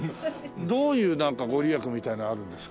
どういうなんか御利益みたいなあるんですか？